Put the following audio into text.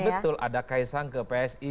betul ada kaisang ke psi